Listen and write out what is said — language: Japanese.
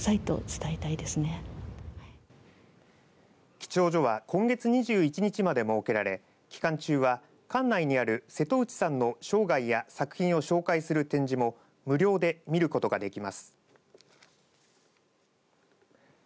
記帳所は今月２１日まで設けられ期間中は館内にある瀬戸内さんの生涯や作品を紹介する展示も無料で見ることができます。